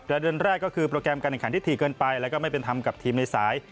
ประเด็นแรกก็คือโปรแกรมการแข่งขันที่ถี่เกินไปแล้วก็ไม่เป็นธรรมกับทีมในสาย